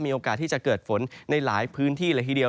มีโอกาสที่จะเกิดฝนในหลายพื้นที่เลยทีเดียว